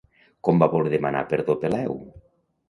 Com va voler demanar perdó Peleu?